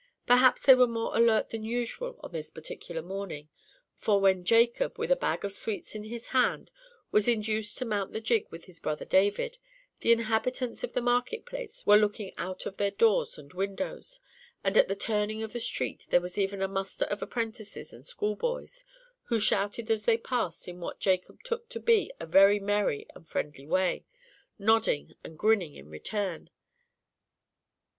Perhaps they were more alert than usual on this particular morning; for when Jacob, with a bag of sweets in his hand, was induced to mount the gig with his brother David, the inhabitants of the market place were looking out of their doors and windows, and at the turning of the street there was even a muster of apprentices and schoolboys, who shouted as they passed in what Jacob took to be a very merry and friendly way, nodding and grinning in return.